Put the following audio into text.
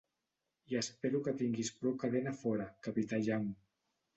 I espero que tinguis prou cadena fora, Capità Young.